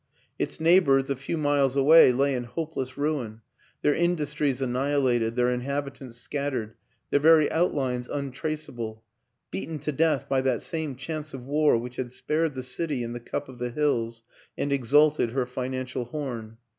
Its neighbors, a few miles away, lay in hopeless ruin, their industries annihilated, their inhabitants scattered, their very outlines untraceable beaten to death by that same chance of war which had spared the city in the cup of the hills and ex alted her financial horn.